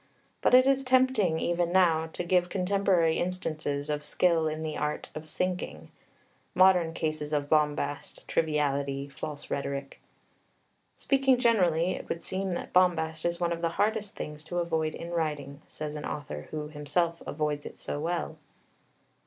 But it is tempting, even now, to give contemporary instances of skill in the Art of Sinking modern cases of bombast, triviality, false rhetoric. "Speaking generally, it would seem that bombast is one of the hardest things to avoid in writing," says an author who himself avoids it so well.